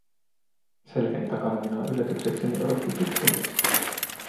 Selkäni takana minua yllätyksekseni odotti tuttu mies.